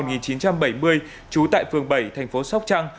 trú tại phường bảy thành phố sóc trăng